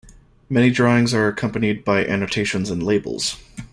Many drawings are accompanied by annotations and labels.